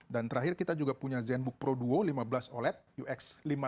dan terakhir kita juga punya zenbook pro duo lima belas oled ux lima ratus delapan puluh dua